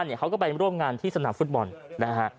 เขาก็ไปร่วมงานที่สนามฟุตบอลนะฮะ